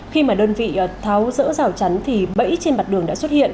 khi mà đơn vị tháo rỡ rào chắn thì bẫy trên mặt đường đã xuất hiện